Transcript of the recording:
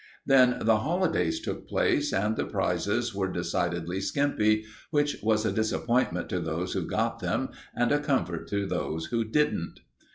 Then the holidays took place, and the prizes were decidedly skimpy, which was a disappointment to those who got them and a comfort to those who didn't.